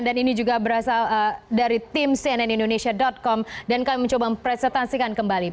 dan ini juga berasal dari tim cnn indonesia com dan kami mencoba mempresentasikan kembali